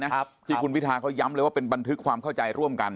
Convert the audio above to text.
ที่คุณพิทาเขาย้ำเลยว่าเป็นบันทึกความเข้าใจร่วมกัน